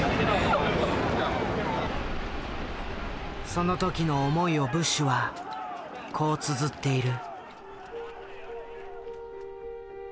その時の思いをブッシュはこうつづっている。